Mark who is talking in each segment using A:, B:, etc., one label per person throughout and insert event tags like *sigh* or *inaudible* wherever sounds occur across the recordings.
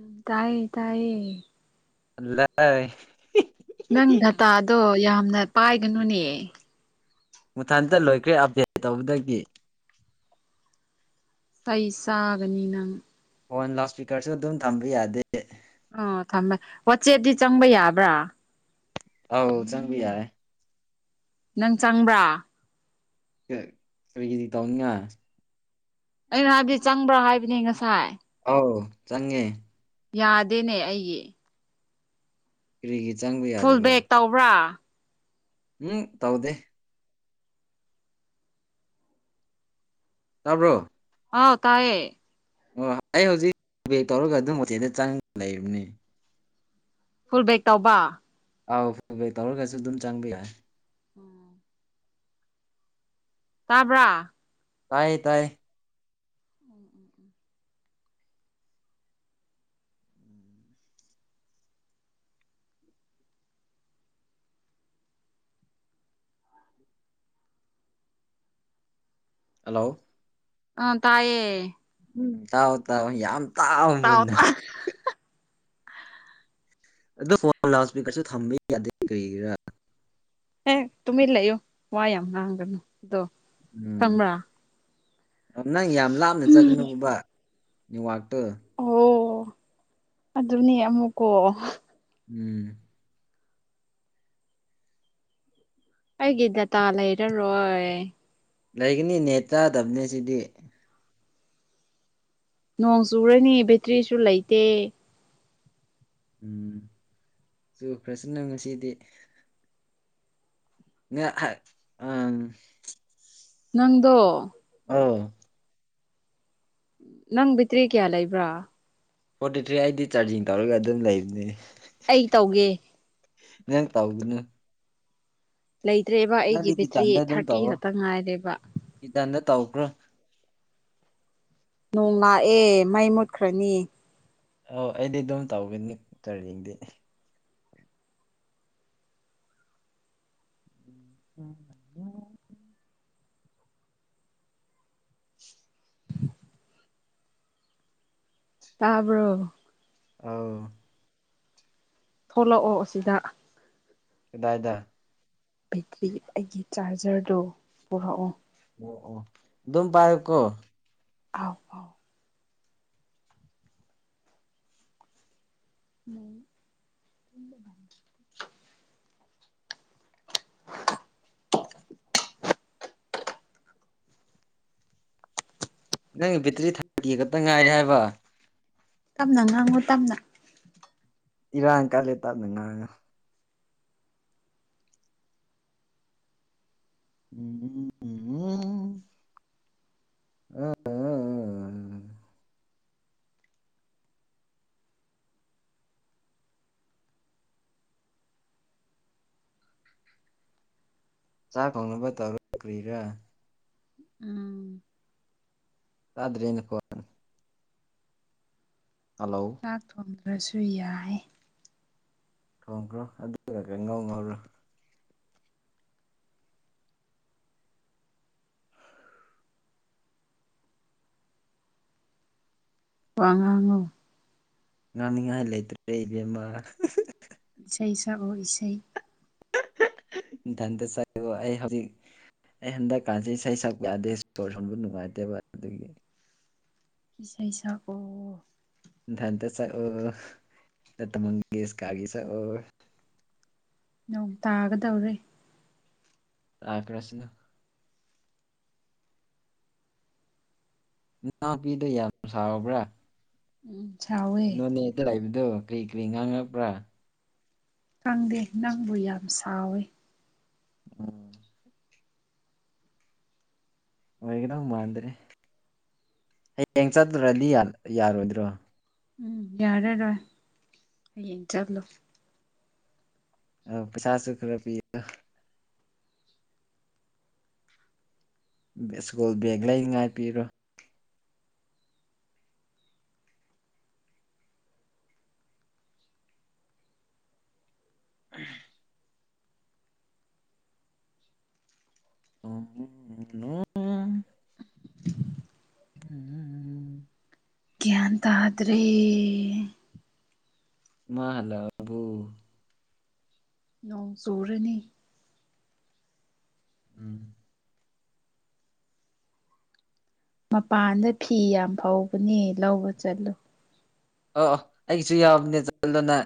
A: ꯎꯝ ꯇꯥꯏꯌꯦ ꯇꯥꯏꯌꯦ
B: ꯂꯩ
A: ꯅꯪ ꯗꯇꯥꯗꯣ ꯌꯥꯝ ꯌꯥꯝꯅ ꯄꯥꯏꯒꯅꯨꯅꯦ
B: ꯃꯨꯊꯟꯇ ꯂꯣꯏꯈ꯭ꯔꯦ ꯑꯞꯗꯦꯟ ꯇꯧꯕꯗꯒꯤ
A: ꯐ ꯆꯥꯕꯅꯤ ꯅꯪ
B: ꯐꯣꯟ ꯂꯥꯎꯠ ꯏꯁꯄꯤꯀꯔꯁꯨ ꯑꯗꯨꯝ ꯊꯝꯕ ꯌꯥꯗꯦ
A: ꯑꯣ ꯊꯝꯃꯦ ꯋꯥꯆꯦꯠꯗꯤ ꯆꯪꯕ ꯌꯥꯕ꯭ꯔꯥ
B: ꯑꯥꯎ ꯆꯪꯕꯤ ꯌꯥꯔ
A: ꯅꯪ ꯆꯪꯕ꯭ꯔꯥ
B: ꯀꯔꯤꯒꯤꯗꯤ ꯇꯧꯅꯤꯡꯉ
A: ꯑꯩꯅ ꯍꯥꯏꯕꯗꯤ ꯆꯪꯕ꯭ꯔꯥ ꯍꯥꯏꯕ ꯑꯗꯨ ꯌꯦ ꯉꯁꯥꯏ
B: ꯍ ꯆꯪꯦ
A: ꯌꯥꯗꯦꯅꯦ ꯑꯩꯒꯤ
B: ꯀꯔꯤꯒꯤ ꯆꯪꯕ
A: ꯐꯨꯜ
B: ꯌꯥꯗꯕ
A: ꯕꯦꯛ ꯇꯧꯕ꯭ꯔꯥ
B: ꯎꯝ ꯇꯥꯎꯗꯦ ꯇꯥꯕ꯭ꯔꯣ
A: ꯍꯥꯎ ꯇꯥꯏꯌꯦ
B: ꯑꯣ ꯑꯩ ꯍꯧꯖꯤꯛ ꯕꯦꯛ ꯇꯧꯔꯒ ꯑꯗꯨꯝ ꯍꯣꯇꯦꯜꯗ ꯆꯪ ꯂꯩꯕꯅꯤ
A: ꯐꯨꯜ ꯕꯦꯛ ꯇꯧꯕ
B: ꯑꯥꯎ ꯐ ꯇꯧꯔ ꯀꯁꯨ ꯑꯗꯨꯝ ꯆꯥꯡꯂꯤ ꯍꯥꯏ
A: ꯇꯥꯕ꯭ꯔꯥ
B: ꯇꯥꯏꯌꯦ ꯇꯥꯏ ꯍꯜꯂꯣ
A: ꯑ ꯇꯥꯏꯌꯦꯦ
B: ꯎꯝ ꯇꯥꯎ ꯇꯥꯎ ꯌꯥꯝ
A: ꯇꯥꯎ
B: ꯇꯥꯎꯗ
A: ꯇꯥ
B: ꯑꯣ ꯐꯣꯟ ꯂꯥꯎ ꯏꯁꯄꯤꯀꯔꯁꯨ ꯊꯝꯕ ꯌꯥꯗꯦ ꯀꯔꯤꯒꯤꯔꯥ
A: ꯑꯦ ꯇꯨꯃꯤ ꯂꯩ ꯌꯣ ꯋꯥꯌꯥꯝꯝ ꯅꯥꯡꯒꯣ ꯑꯗꯣ
B: ꯎꯝ
A: ꯈꯪꯕ꯭ꯔꯥ
B: ꯅꯪ ꯌꯥꯝ ꯂꯥꯞꯅ ꯆꯠꯒꯅꯨ ꯕꯕꯥ ꯑꯇ
A: ꯑꯣ ꯑꯗꯨ ꯑꯗꯨꯅꯤ ꯑꯃꯨꯀꯣ
B: ꯎꯝ
A: ꯍꯒꯗ ꯇꯂ ꯏꯔꯣ
B: ꯂꯩꯒꯅꯤ ꯅꯦ ꯆꯥꯗꯕꯅꯦ ꯁꯤꯗꯤ
A: ꯅꯣꯡ ꯆꯨꯔꯅꯤ ꯕꯦꯇ꯭ꯔꯤꯁꯨ ꯂꯩꯇꯦ
B: ꯎꯝ ꯁ ꯐꯖꯅ ꯉꯁꯤꯗꯤ *unintelligible*
A: ꯅꯪꯗꯣ
B: ꯑꯥ
A: ꯅꯪ ꯕ‌ꯦꯇ꯭ꯔꯤ ꯀꯌꯥ ꯂꯩꯕ꯭ꯔꯥ
B: ꯐꯣꯔꯇꯤ ꯊ꯭ꯔꯤ ꯑꯩꯗꯤ ꯆꯥꯔꯖꯤꯡ ꯇꯧꯔꯒ ꯑꯗꯨꯝ ꯂꯩꯕꯅꯦ
A: ꯑꯩ ꯇꯧꯒꯦ
B: ꯅꯪ ꯇꯥꯎꯒꯅꯨ
A: ꯂꯩꯇ꯭ꯔꯦꯕ ꯑꯩꯒꯤ ꯕꯦꯇ꯭ꯔꯤ
B: ꯀꯤꯠꯆꯟꯗ ꯑꯗꯨꯝ
A: ꯊꯥꯔꯇꯤ
B: ꯇꯧꯋꯣ
A: ꯈꯛꯇ ꯉꯥꯏꯔꯦꯕ
B: ꯀꯤꯠꯆꯟꯗ ꯇꯧꯈ꯭ꯔꯣ
A: ꯅꯣꯡ ꯂꯥꯛꯑꯦ ꯃꯩ ꯃꯨꯠꯈ꯭ꯔꯅꯤ
B: ꯑꯧ ꯑꯩꯗꯤ ꯑꯗꯨꯝ ꯇꯧꯒꯅꯤ ꯀꯔꯤꯡꯗꯤ ꯎꯝ
A: ꯇꯥꯕ꯭ꯔꯣ
B: ꯑꯥꯎ
A: ꯊꯣꯛꯂꯛꯑꯣ ꯑꯁꯤꯗꯥ
B: ꯀꯥꯏꯗꯥꯏꯗꯥ
A: ꯕꯦꯠꯇ꯭ꯔꯤ ꯑꯩꯒꯤ ꯆꯥꯔꯖꯔꯗꯣ ꯄꯨꯔꯛꯑꯣ
B: ꯑꯣ ꯑꯣ ꯑꯗꯨꯝ ꯄꯥꯏꯎꯀꯣ
A: ꯑ ꯑꯥꯎ ꯑꯥꯎ *unintelligible* *unintelligible*
B: ꯅꯪꯒꯤ ꯕꯦꯇ꯭ꯔꯤ ꯊꯥꯒ ꯈꯛꯇ ꯉꯥꯏꯔꯦ ꯍꯥꯏꯕ
A: ꯇꯞꯅ ꯉꯥꯡꯉꯨ ꯇꯞꯅ
B: ꯏꯔꯥꯡ ꯀꯂꯦ ꯇꯞꯅꯉꯥꯡꯉ ꯎꯝ ꯎꯝ ꯎꯝ ꯎꯝ ꯎꯝ *unintelligible* ꯆꯥ ꯊꯣꯡꯅꯕ ꯇꯧꯔꯣ ꯀ꯭ꯔꯤꯔꯥ꯫
A: ꯎꯝ
B: ꯇꯥꯗꯔꯦ ꯅꯈꯣꯟ꯫
A: ꯆꯥꯛ ꯊꯣꯡ ꯗ꯭ꯔꯁꯨ ꯌꯥꯏ
B: ꯊꯣꯡꯈ꯭ꯔꯣ ꯑꯗꯨꯒ ꯀꯪꯉꯧ ꯉꯧꯔꯣ꯫
A: ꯋꯥ ꯉꯥꯡꯉꯣ꯫
B: ꯉꯥꯡꯅꯤꯉꯥꯏ ꯂꯩꯇ꯭ꯔꯦ ꯏꯕꯦꯝꯃ꯫
A: ꯏꯁꯩ ꯁꯛꯑꯣ ꯢꯁꯩ꯫
B: ꯏꯊꯟꯇ ꯆꯣ ꯑꯩ ꯍꯧꯖꯤꯛ ꯑꯩ ꯍꯟꯗꯛꯀꯥꯟꯁ ꯏꯁꯩ ꯁꯛꯄ ꯌꯥꯗꯦ ꯁꯣꯔ ꯁꯣꯟꯕ ꯅꯨꯡꯉꯥꯏꯇꯦꯕ ꯑꯗꯨꯒꯤ꯫
A: ꯏꯁꯩ ꯁꯛꯑꯣ꯫
B: ꯏꯟꯊꯟꯇ ꯁꯛꯑꫭ ꯂꯥꯇ ꯃꯪꯒꯦꯁꯀꯥꯔꯒꯤ ꯁꯛꯑꯣ꯫
A: ꯅꯣꯡ ꯇꯥꯒꯗꯧꯔꯦ꯫
B: ꯇꯥꯒ꯭ꯔꯁꯅꯨ꯫ ꯅꯅꯥꯎ ꯅꯨꯄꯤꯗꫭ ꯌꯥꯝ ꯁꯥꯎꯕ꯭ꯔꯥ꯫
A: ꯎꯝ ꯁꯥꯎꯋꯦ
B: ꯅꯣꯅꯦꯗ ꯂꯩꯕꯗꯨ ꯀꯔꯤ-ꯀꯔꯤ ꯉꯥꯡꯉꯛꯄ꯭ꯔꯥ꯫
A: ꯀꯪꯗꯦ ꯅꯪꯕꯨ ꯌꯥꯝ ꯁꯥꯎꯋꯦ꯫
B: ꯎꯝ ꯑꯣꯏꯒꯗꯧ ꯃꯥꯟꯗ꯭ꯔꯦ꯫ ꯍꯌꯦꯡ ꯆꯗꯔꯗꯤ ꯌꯥꯜ ꯌꯥꯔꯣꯏꯗ꯭ꯔꯣ꯫
A: ꯎꯝ ꯌꯥꯔꯔꯣꯏ ꯍꯌꯦꯡ ꯆꯠꯂꯨ꯫
B: ꯑ ꯄꯩꯁꯥꯁꯨ ꯈꯔ ꯄꯤꯌꫭ꯫ ꯕꯦꯁ ꯁ꯭ꯀꫭꯜ ꯕꯦꯒ ꯂꯩꯅꯤꯡꯉꯥꯏ ꯄꯤꯔꯣ꯫ *unintelligible* *unintelligible*
A: *unintelligible*
B: *unintelligible*
A: ꯒ꯭ꯌꯥꯟ ꯇꯥꯗ꯭ꯔꯦ꯫
B: ꯃꯥ ꯍꯜꯜꯛꯑꯕꯨ
A: ꯅꯣꯡ ꯆꯨꯔꯅꯤ꯫
B: ꯎꯝ
A: ꯃꯄꯥꯟꯗ ꯐꯤ ꯌꯥꯝ ꯐꯧꯕꯅꯦ ꯂꯧꯕ ꯆꯠꯂꯨ꯫
B: ꯑ ꯑꯩꯒꯤꯁꯨ ꯌꯥꯕꯅꯦ ꯆꯠꯂꯣꯅ꯫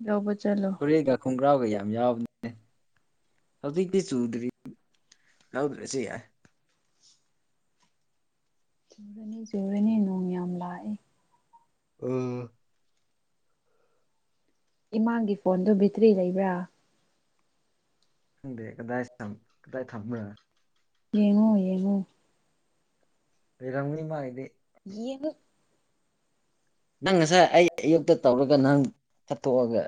A: ꯂꯧꯕ ꯆꯠꯂꯣ
B: ꯐꯨꯔꯤꯠꯒ ꯈꯣꯡꯒ꯭ꯔꯥꯎꯒ ꯌꯥꯝ ꯌꯥꯎ ꯍꯧꯖꯤꯛꯇꯤ ꯆꯨꯗ꯭ꯔꯤ꯫ ꯂꯧꯗ꯭ꯔꯁꯨ ꯌꯥꯏ꯫
A: ꯆꯨꯨꯔꯅꯤ-ꯆꯨꯔꯅꯤ ꯅꯣꯡ ꯌꯥꯝ ꯂꯥꯛꯑꯦ꯫
B: ꯑꯥ꯫
A: ꯏꯃꯥꯡꯒꯤ ꯐꯣꯟꯗꯨꯣ ꯕꯦꯇ꯭ꯔꯤ ꯂꯩꯕ꯭ꯔꯥ
B: ꯗꯦ ꯀꯗꯥꯏ ꯀꯗꯥꯏ ꯊꯝꯝꯕ꯭ꯔ
A: ꯌꯦꯉꯣ ꯌꯦꯉꯣ
B: ꯔꯪꯅꯤ ꯃꯥ ꯏꯗꯤ
A: ꯌꯦ
B: ꯅꯪ ꯉꯁꯥꯏ ꯑꯩ ꯑꯌꯨꯛꯇ ꯇꯧꯔꯒ ꯅꯪ ꯍꯥꯠꯇꯣꯛꯑꯒ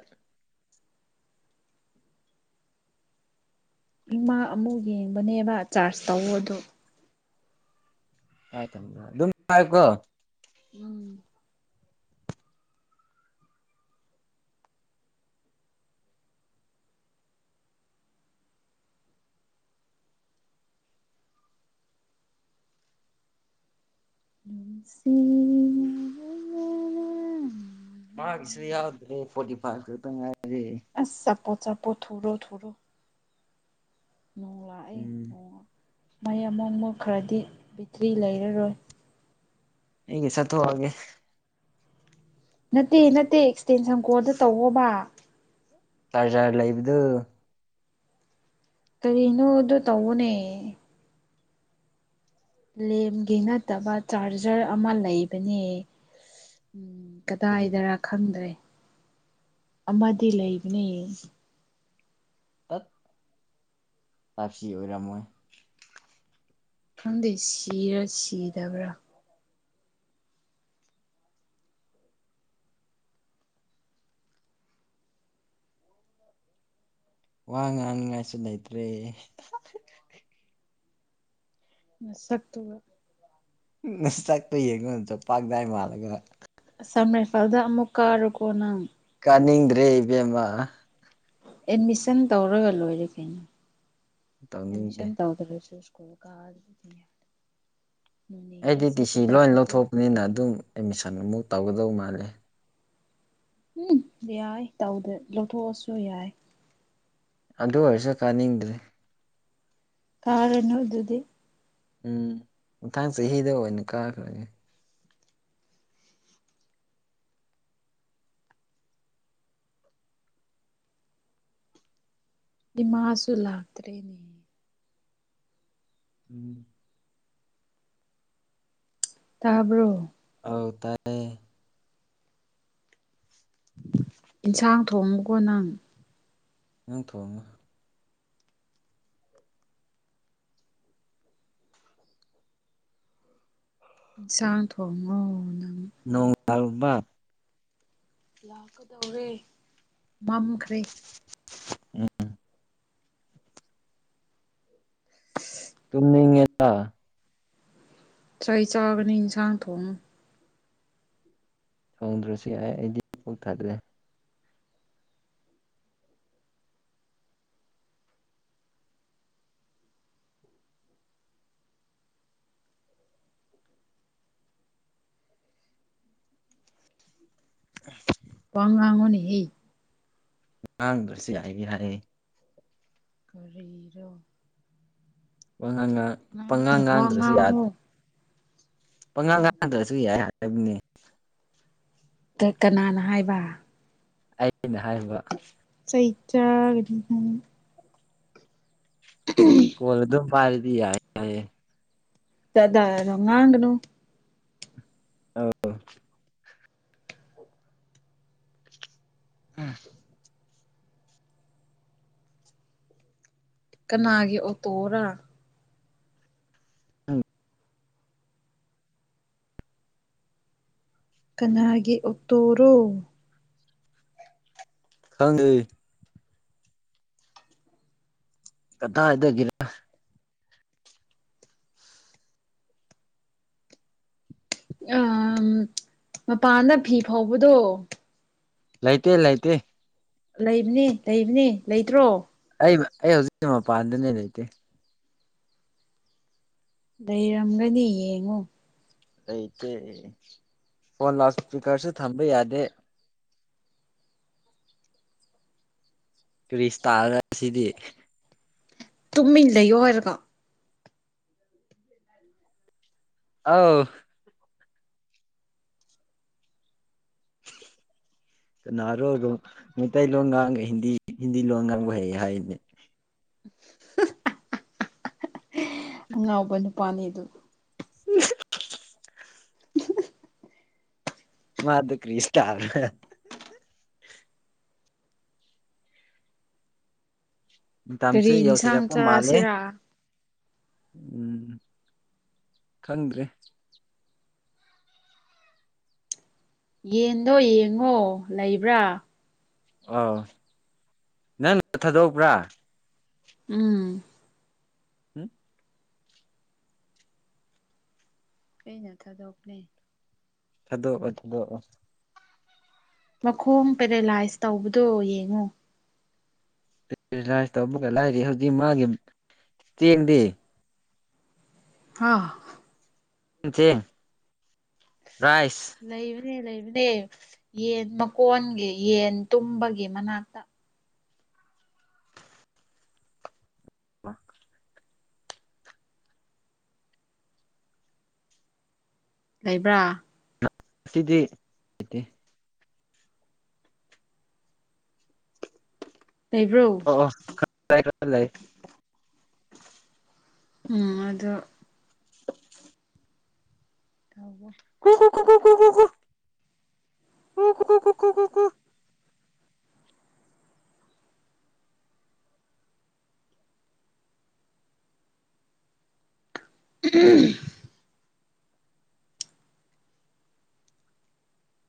A: ꯏꯃꯥ ꯑꯃꯨꯛ ꯌꯦꯡꯕꯅꯦꯕ ꯆꯥꯔꯖ ꯇꯧꯗꯣ
B: ꯍꯥꯏꯥꯏ ꯇꯝ ꯍꯥꯏ ꯑꯗꯨꯝꯥꯏꯀꯣ
A: ꯎꯝ ꯅꯨꯡꯁꯤ ꯌꯥ
B: ꯃꯥꯒꯤꯁꯤ ꯌꯥꯎꯗ꯭ꯔꯦ ꯐꯣꯗꯤ ꯑ
A: ꯑꯁ ꯆꯄꯣꯠ ꯆꯄꯣꯠ ꯊꯔꯣ ꯊꯔꯣ ꯅꯣꯡ ꯂꯥꯛꯑꯦ
B: ꯎꯝ
A: ꯅꯣꯡ ꯃꯩ ꯑꯃꯛꯃ ꯈꯔꯗꯤ ꯕꯦꯇ꯭ꯔꯤ ꯂꯩꯔꯔꯣꯏ
B: ꯍꯒꯤ ꯆꯠꯣꯑꯦ
A: ꯅꯠꯇꯦ ꯅꯠꯇꯦ ꯑꯦꯛꯁꯇꯦꯟꯁꯟ ꯀꯣꯟꯗ ꯇꯧꯋꯣꯕ
B: ꯆꯥꯔꯖꯥꯔ ꯂꯩꯕꯗꯨ
A: ꯀꯔꯤ ꯏꯅꯣ ꯑꯗꯨ ꯇꯧꯅꯦ ꯂꯦꯝꯒꯤ ꯅꯠꯇꯕ ꯆꯥꯔꯖꯔ ꯑꯃ ꯂꯩꯕꯅꯦ ꯎꯝ
B: ꯀꯔꯤ
A: ꯀꯗꯥꯏꯗꯔ ꯈꯪꯗ꯭ꯔꯦ ꯑꯃꯗꯤ ꯂꯩꯕꯅꯦ
B: ꯇꯥꯠ ꯇꯥꯞꯁꯤ ꯑꯣꯏꯔꯝꯃꯣꯏ
A: ꯈꯪꯗꯦ ꯁꯤꯔ ꯁꯤꯗꯕ꯭ꯔꯥ
B: ꯋꯥ ꯉꯥꯡꯅꯤꯡꯉꯥꯏꯁꯨ ꯂꯩꯇ꯭ꯔꯦ
A: ꯅꯥꯁꯛꯇꯨꯒ
B: ꯅꯁꯥꯛꯇꯨ ꯌꯦꯡꯌꯣ ꯖꯥꯄꯛꯗꯥꯏ ꯃꯥꯂꯒ
A: ꯑꯁꯝ ꯔꯥꯏꯐꯜꯗ ꯑꯃꯨꯛ ꯀꯥꯔꯨꯀꯣ ꯅꯪ
B: ꯀꯅꯤꯡꯗ꯭ꯔꯦ ꯏꯕꯦꯝꯃ ꯑ
A: ꯑꯦꯠꯃꯤꯁꯟ ꯇꯧꯔꯒ ꯂꯣꯏꯔꯦ ꯀꯩꯅꯣ ꯑꯦꯃꯤꯁꯟ
B: ꯇꯧꯅꯤꯡꯗꯦ
A: ꯇꯧꯗ꯭ꯔꯁꯨ ꯀꯣ ꯀꯥ *unintelligible*
B: ꯑꯩꯗꯤ ꯇꯤ ꯁꯤ ꯂꯣꯏ ꯂꯧꯊꯣꯛꯄꯅꯤꯅ ꯑꯗꯨꯝ ꯑꯦꯠꯃꯤꯁꯟ ꯑꯃꯨꯛ ꯇꯧꯒꯗꯧ ꯃꯥꯜꯂꯦ
A: ꯎꯝ ꯌꯥꯏ ꯇꯧꯗ ꯂꯧꯊꯣꯛꯑꯁꯨ ꯌꯥꯏ
B: ꯑꯗꯨ ꯑꯣꯏꯔꯁꯨ ꯀꯥꯅꯤꯡꯗꯔꯦ
A: ꯀꯥꯔꯨꯅꯨ ꯑꯗꯨꯗꯤ
B: ꯎꯝ ꯃꯊꯥꯡ ꯆꯍꯤꯗ ꯑꯣꯏꯅ ꯀꯥꯈ꯭ꯔꯒꯦ
A: ꯗꯤꯃꯥꯁꯨ ꯂꯥꯛꯇ꯭ꯔꯦꯅꯦ
B: ꯎꯝ
A: ꯇꯥꯕ꯭ꯔꯣ
B: ꯍꯧ ꯇꯥꯏꯌꯦ
A: ꯏꯟꯁꯥꯡ ꯊꯣꯡꯉꯨꯀꯣ ꯅꯪ
B: ꯅꯪ ꯊꯣꯡꯉꯣ
A: ꯏꯟꯁꯥꯡ ꯊꯣꯡꯉꯣ ꯅꯪ
B: ꯅꯣꯡ *unintelligible*
A: ꯂꯥꯛꯀꯗꯧꯔꯦ ꯃꯥꯝꯈ꯭ꯔꯦ
B: ꯎꯝ ꯇꯨꯨꯝꯅꯤꯡꯉ‌ꯦꯕꯥ
A: ꯆꯩ ꯆꯥꯒꯅꯤ ꯏꯟꯁꯥꯡ ꯊꯣꯡꯉꯨ
B: ꯊꯣꯡꯗ꯭ꯔꯁꯨ ꯌꯥꯢ ꯑꯩꯗꯤ ꯄꯥꯜꯂꯦ *unintelligible*
A: ꯋꯥ ꯉꯥꯡꯉꯨꯅꯦꯍꯦ
B: ꯉꯥꯡꯗ꯭ꯔꯥꯁꯨ ꯌꯥꯢꯗꯤ ꯍꯥꯏ
A: ꯀꯔꯤꯔꯣ
B: ꯄꯉꯥꯡꯉꯥꯡ
A: ꯉꯥꯡꯉꯣ
B: ꯄꯉꯥꯡ
A: ꯋꯥ
B: ꯉꯥꯡꯗ꯭ꯔꯁꯨ ꯌꯥꯏ
A: ꯉꯥꯡꯉꯣ
B: ꯄꯪꯉꯥ ꯉꯥꯡꯗ꯭ꯔꯥꯁꯨ ꯌꯥꯏ ꯍꯥꯏ ꯍꯥꯏꯕꯅꯦ
A: ꯗ‌ꯣ ꯀꯅꯥꯅ ꯍꯥꯏꯕ
B: ꯑꯩꯅ ꯍꯥꯏꯕꯥ
A: ꯀꯩ ꯆꯗꯤ
B: ꯐ‌ꯧꯜꯗꯨꯝ ꯐꯥꯔꯗꯤ ꯌꯥ ꯌꯥꯦ
A: ꯆꯗꯥꯗ ꯉꯒꯅꯨ
B: *unintelligible* ꯑꯥ
A: ꯀꯅꯥꯒꯤ ꯑꯣ ꯇꯣꯔ
B: ꯑꯪ
A: ꯀꯅꯥꯒꯤ ꯎꯠꯇꯣꯔꯣ
B: ꯈꯪꯉ ꯀꯗꯥ ꯍꯥꯏꯗꯒꯦꯔ
A: ꯎ ꯃꯄꯥꯟꯗ ꯐꯤ ꯐꯥꯎꯕꯗꯣ
B: ꯂꯥꯏꯇ ꯂꯥꯏꯇ
A: ꯂꯩꯕꯅꯤ ꯂꯩꯕꯅꯤ ꯂꯩꯇ꯭ꯔꯣ
B: ꯑꯩ ꯑꯩ ꯍꯧꯖꯤꯛꯁꯦ ꯃꯄꯥꯟꯗꯅꯦ ꯂꯩꯇꯦ
A: ꯂꯩꯔꯝꯒꯅꯤ ꯌꯦꯡꯉꯣ
B: ꯂꯩꯇꯦ ꯐꯣꯟ ꯂꯥꯎ ꯏꯁꯄꯤꯀꯔꯁꯨ ꯊꯝꯕ ꯌꯥꯗꯦ ꯇꯔꯤꯁ ꯇꯥ ꯁꯤꯗꯤ
A: ꯇꯨꯝꯃꯤꯟ ꯂꯩꯌꯣ ꯍꯥꯏꯔꯀꯣ
B: ꯑꯥꯎ ꯀꯅꯥꯔꯣꯔꯣ ꯃꯩꯇꯩ ꯂꯣꯟ ꯉꯥꯡꯒ ꯍꯤꯟꯗꯤ ꯍꯤꯟꯗꯤ ꯂꯣꯟ ꯉꯥꯡꯕ ꯍꯩ ꯍꯥꯏꯗꯤ
A: *unintelligible* ꯉ ꯉꯕ ꯅꯤꯄꯅꯤ ꯑꯗꯨ
B: ꯎꯝ ꯃꯥꯗꯨ ꯀꯔꯤ ꯁꯔꯅ
A: ꯀꯔꯤ
B: ꯃꯇꯝꯁꯦ
A: ꯌꯦꯟꯁꯥꯡ
B: ꯌꯧꯁꯤꯜꯂꯛꯄ ꯃꯥꯜꯂꯦ
A: ꯆꯥꯁꯤꯔ
B: ꯎꯝ ꯊꯟ꯭ꯔꯔꯤ
A: ꯌꯦꯟꯗꯣ ꯌꯦꯡꯉꯣ ꯂꯩꯕ꯭ꯔꯥ
B: ꯑꯣ ꯅ ꯃ ꯊꯗꯧ ꯄꯨꯔꯥ
A: ꯎꯝ
B: ꯎꯝ
A: ꯀꯩ ꯅ ꯊꯥꯗꯣꯛꯈꯔꯦ
B: ꯊꯗꯣꯛꯑꯣ ꯊꯗꯣꯛꯑꯣ
A: ꯃꯈꯣꯡ ꯄꯦꯔꯦꯂꯥꯏꯁ ꯇꯧꯕꯗꯣ ꯌꯦꯡꯉꯣ
B: ꯀꯇꯂꯥꯏ ꯇꯧꯕꯒ ꯂꯥꯏꯔꯤ ꯍꯧꯖꯤꯛ ꯃꯥꯒꯤ ꯆꯦꯡꯗꯤ
A: ꯑ
B: ꯎ ꯆꯦ ꯔꯥꯏꯁ
A: ꯂꯩꯕꯅꯦ ꯂꯩꯕꯅꯦ ꯌꯦꯟ ꯃꯀꯣꯟꯒꯤ ꯌꯦꯟ ꯇꯨꯝꯕꯒꯤ ꯃꯅꯥꯛꯇ
B: ꯋꯥ
A: ꯂꯩꯕ꯭ꯔꯥ
B: ꯁꯤꯗꯤ
A: ꯂꯩꯕ꯭ꯔꯣ
B: ꯇꯏ *inaudible*
A: ꯎꯝ ꯑꯗꯣ ꯇꯕ
B: *unintelligible*
A: ꯎꯝ